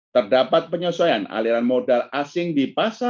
terdapat penyesuaian aliran modal asing di pasar